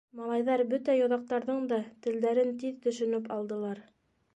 Малайҙар бөтә йоҙаҡтарҙың да телдәрен тиҙ төшөнөп алдылар.